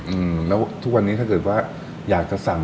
อืมแล้วทุกวันนี้ถ้าเกิดว่าอยากจะสั่ง